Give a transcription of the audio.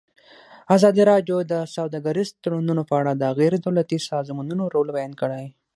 ازادي راډیو د سوداګریز تړونونه په اړه د غیر دولتي سازمانونو رول بیان کړی.